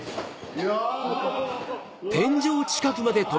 いや！